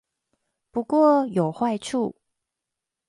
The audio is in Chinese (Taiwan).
不過有壞處